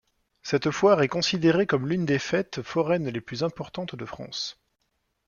Cette foire est considérée comme l’une des fêtes foraines les plus importantes de France.